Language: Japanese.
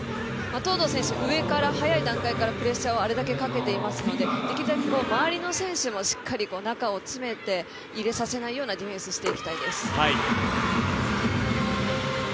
東藤選手、上から早い段階からプレッシャーをかけていますのでできるだけ周りの選手もしっかり中を詰めて入れさせないようなディフェンスしていきたいです。